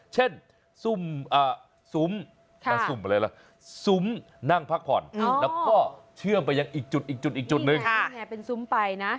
เช่นซุมนั่งพักผ่อนแล้วก็เชื่อมไปยังอีกจุดนึง